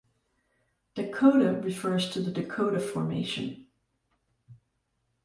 Dakota refers to the Dakota Formation.